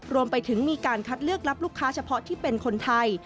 รวมไปถึงมีการคัดเลือกรับลูกค้าเฉพาะที่เป็นคนไทย